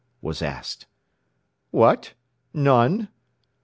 was asked. "What? None?"